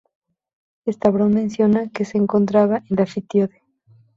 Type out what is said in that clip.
Estrabón menciona que se encontraba en la Ftiótide.